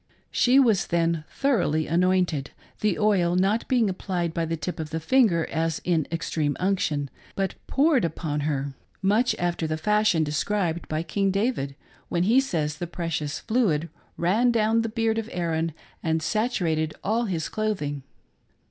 She was then thoroughly anointed — the oil not being appUed by the tip of the finger as in " extreme unction," hnt poured upon her much after the fashion described by King David when he says the precious fluid ran down the beard of Aaron and saturated all his clothing.